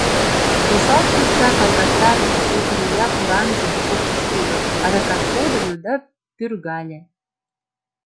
— Осал шӱкшак алгаштарыше сокыр ия кораҥже! — шоктыш тудо, адакат подыльо да пӱргале.